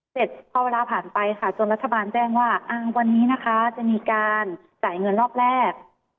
เสร็จพอเวลาผ่านไปค่ะจนรัฐบาลแจ้งว่าวันนี้นะคะจะมีการจ่ายเงินรอบแรก